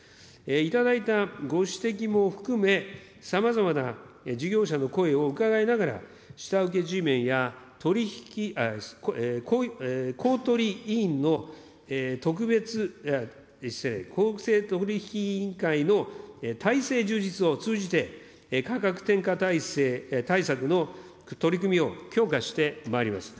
頂いたご指摘も含め、さまざまな事業者の声を伺いながら、下請けＧメンや公取委員の特別、失礼、公正取引委員会の体制充実を通じて、価格転嫁対策の取り組みを強化してまいります。